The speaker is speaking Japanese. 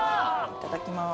いただきまーす